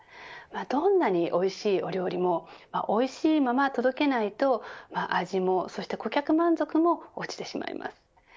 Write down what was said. どんなにおいしいお料理もおいしいまま届けないと味もそして顧客満足も落ちてしまいます。